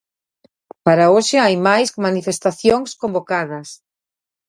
Para hoxe hai máis manifestacións convocadas.